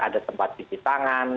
ada tempat tipis tangan